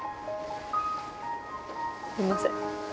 すみません。